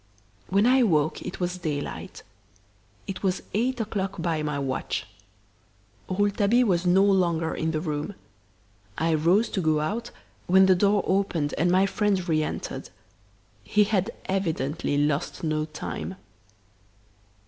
When I awoke it was daylight. It was eight o'clock by my watch. Rouletabille was no longer in the room. I rose to go out when the door opened and my friend re entered. He had evidently lost no time.